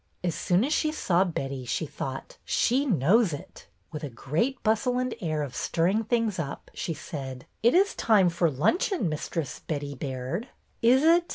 As soon as she saw Betty she thought, '' She knows it." With a great bustle and air of stirring things up, she said : It is time for luncheon. Mistress Betty Baird." ''Is it?"